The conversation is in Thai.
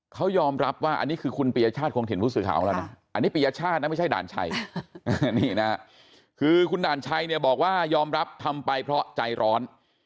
เขายอมรับว่าอันนี้คือคุณปียชาติคงถิ่นผู้สื่อข่าวของเรานะอันนี้ปียชาตินะไม่ใช่ด่านชัยนี่นะคือคุณด่านชัยเนี่ยบอกว่ายอมรับทำไปเพราะใจร้อน